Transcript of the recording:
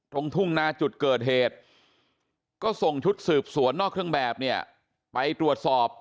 ทุ่งนาจุดเกิดเหตุก็ส่งชุดสืบสวนนอกเครื่องแบบเนี่ยไปตรวจสอบ